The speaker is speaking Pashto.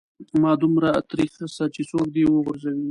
مه دومره تريخ سه چې څوک دي و غورځوي.